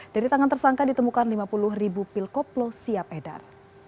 dari tangan tersangka ditemukan lima puluh ribu pil koplo siap edar